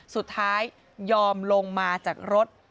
สุดท้ายยอมลงมาจากรถ